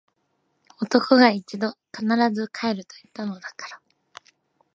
男が一度・・・！！！必ず帰ると言ったのだから！！！